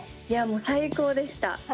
いやもう最高でした。